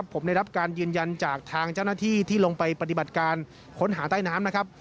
ผมได้รับการยืนยันจากทางเจ้าหน้าที่ที่ลงไปปฏิบัติการค้นหาใต้น้ำนะครับ